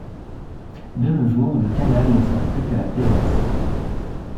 De nos jours, le canal ne sert plus qu'à la plaisance.